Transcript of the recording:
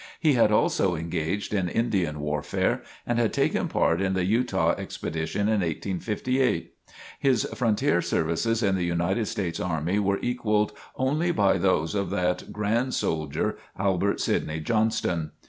He had also engaged in Indian warfare and had taken part in the Utah Expedition in 1858. His frontier services in the United States Army were equalled only by those of that grand soldier, Albert Sidney Johnston.